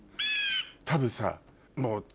多分さ。